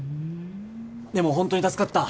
でも本当に助かった。